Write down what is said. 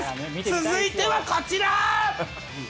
続いてはこちら。